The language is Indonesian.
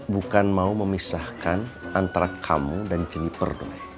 bukan mau memisahkan antara kamu dan jeniper